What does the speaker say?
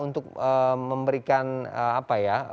untuk memberikan apa ya